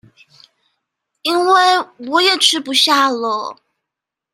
因為我也吃不下了